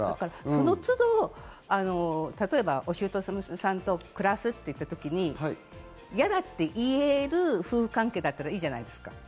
その都度、お姑さんと暮らすといったときに嫌だって言える夫婦関係だといいじゃないですか。